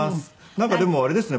なんかでもあれですね。